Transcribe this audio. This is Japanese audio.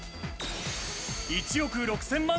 １億６０００万